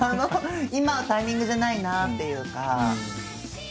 今はタイミングじゃないなっていうか。